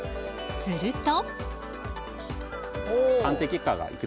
すると。